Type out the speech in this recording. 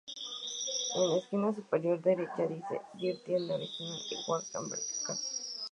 En la esquina superior derecha dice "Dirty" en horizontal y "Work" en vertical.